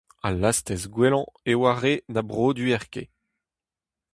Al lastez gwellañ eo ar re na broduer ket !